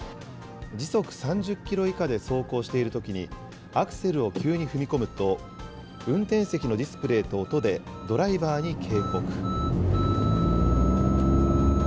時速３０キロ以下で走行しているときに、アクセルを急に踏み込むと、運転席のディスプレーと音でドライバーに警告。